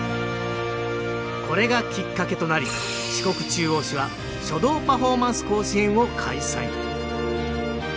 これがきっかけとなり四国中央市は書道パフォーマンス甲子園を開催